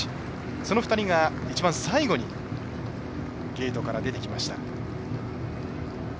その２人が、一番最後にゲートから出てきました。